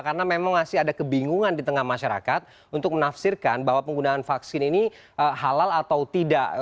karena memang masih ada kebingungan di tengah masyarakat untuk menafsirkan bahwa penggunaan vaksin ini halal atau tidak